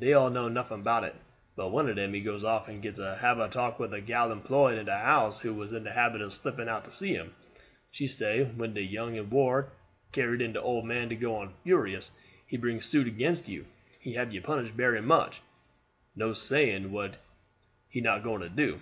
Dey all know nuffin bout it; but one of dem he goes off and gets to hab a talk with a gal employed in de house who was in de habit of slipping out to see him. She say when de young un war carried in de old man go on furious; he bring suit against you, he hab you punished berry much no saying what he not going to do.